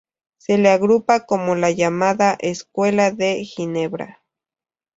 Se le agrupa con la llamada Escuela de Ginebra.